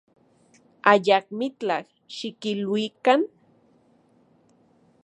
Ayakmitlaj xikiluikan.